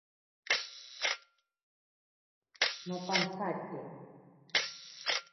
Nopantsatye.